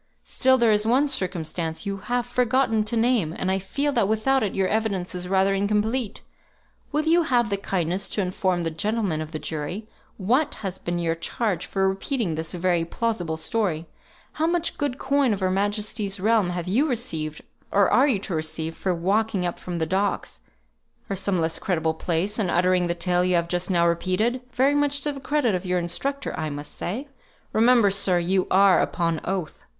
Still there is one circumstance you have forgotten to name; and I feel that without it your evidence is rather incomplete. Will you have the kindness to inform the gentlemen of the jury what has been your charge for repeating this very plausible story? How much good coin of Her Majesty's realm have you received, or are you to receive, for walking up from the docks, or some less creditable place, and uttering the tale you have just now repeated, very much to the credit of your instructor, I must say? Remember, sir, you are upon oath."